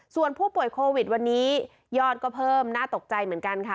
ส่วนผู้ป่วยโควิดวันนี้ยอดก็เพิ่มน่าตกใจเหมือนกันค่ะ